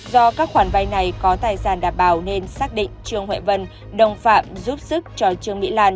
do các khoản vay này có tài sản đảm bảo nên xác định trương huệ vân đồng phạm giúp sức cho trương mỹ lan